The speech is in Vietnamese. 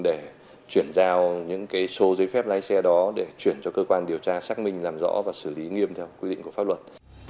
để chuyển giao những số giấy phép lái xe đó để chuyển cho cơ quan điều tra xác minh làm rõ và xử lý nghiêm theo quy định của pháp luật